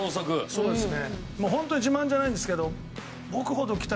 そうですね。